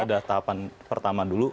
ada tahapan pertama dulu